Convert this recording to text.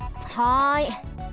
はい。